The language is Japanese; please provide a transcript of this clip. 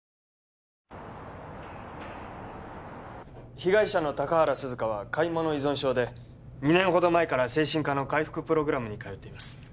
被害者の高原涼香は買い物依存症で２年ほど前から精神科の回復プログラムに通っています